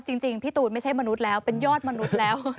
จริงพี่ตูนไม่ใช่มนุษย์แล้วเป็นยอดมนุษย์แล้ว